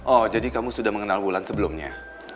oh jadi kamu sudah mengenal bulan sebelumnya